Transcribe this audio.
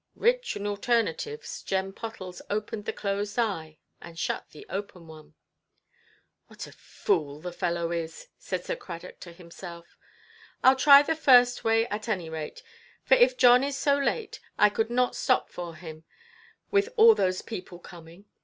Rich in alternatives, Jem Pottles opened the closed eye, and shut the open one. "What a fool the fellow is"! said Sir Cradock to himself; "Iʼll try the first way, at any rate. For if John is so late, I could not stop for him, with all those people coming.